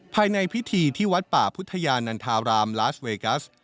ภายในพิธีที่วัดป่าพุทธยานันทารามลาสเวกัส